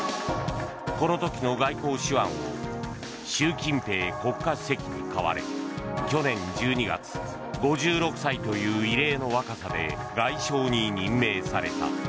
この時の外交手腕を習近平国家主席に買われ去年１２月５６歳という異例の若さで外相に任命された。